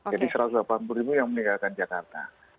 jadi rp satu ratus delapan puluh yang meningkatkan jakarta